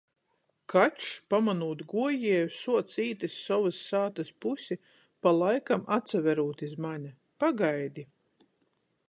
Kačs, pamonūt guojieju, suoc īt iz sovys sātys pusi, palaikam atsaverūt iz mane. Pagaidi!